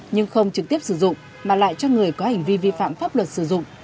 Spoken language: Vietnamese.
nhưng không trực tiếp sử dụng mà lại cho người có hành vi vi phạm pháp luật sử dụng